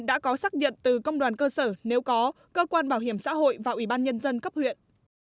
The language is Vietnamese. đã có xác nhận từ công đoàn cơ sở nếu có cơ quan bảo hiểm xã hội và ủy ban nhân dân cấp huyện